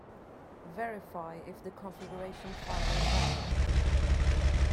Verify if the configuration file is valid.